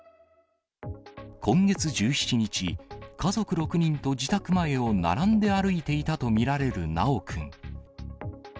今月１７日、家族６人と自宅前を並んで歩いていたと見られる修くん。